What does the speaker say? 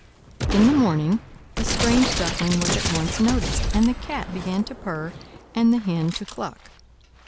In the morning the strange Duckling was at once noticed, and the Cat began to purr and the Hen to cluck.